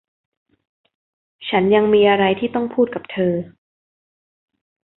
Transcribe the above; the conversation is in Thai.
ฉันยังมีอะไรที่ต้องพูดกับเธอ